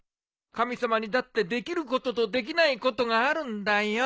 神様にだってできることとできないことがあるんだよ。